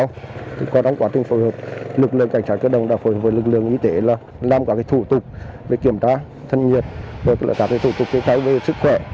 làm các thủ tục về kiểm tra thân nhiệt và các thủ tục kết thúc về sức khỏe